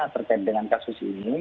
terkait dengan kasus ini